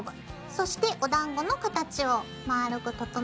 そしておだんごの形を丸く整えよう。